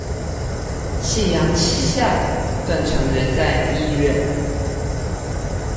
夕陽西下，斷腸人在醫院